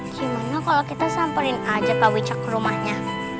gimana kalau kita samperin aja pak wicak ke rumahnya